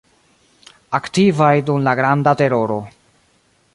Aktivaj dum la Granda teroro.